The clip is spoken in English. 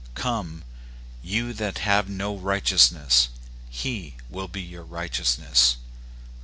Come, you that have no righteousness, he will be your righteousness.